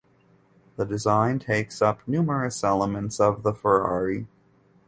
The design takes up numerous elements of the Ferrari.